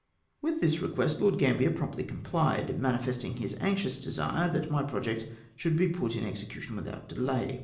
With this request Lord Gambler promptly comphed, manifesting his anxious desire that my project should be put in execution without delay.